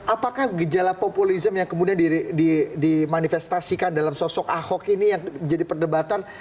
apakah gejala populisme yang kemudian dimanifestasikan dalam sosok ahok ini yang jadi perdebatan